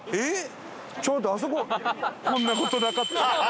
こんな事なかった。